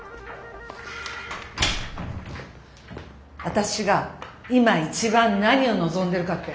私が今一番何を望んでるかって。